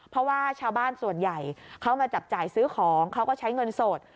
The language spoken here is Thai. เพราะว่าชาวบ้านส่วนใหญ่เขามาจับจ่ายซื้อของเขาก็ใช้เงินสด